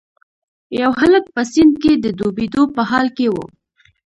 یو هلک په سیند کې د ډوبیدو په حال کې و.